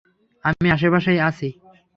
আমি আশেপাশেই আছি।